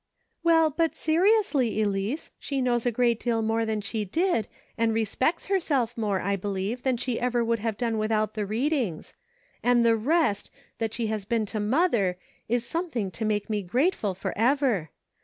"Well, but seriously, Elice, she knows a great deal more than she did, and respects herself more, I believe, than she ever would have done without the readings. And the rest that she has been to mother is something to make me grateful forever.